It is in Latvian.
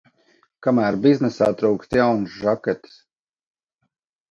Kamēr biznesā trūkst jaunas žaketes.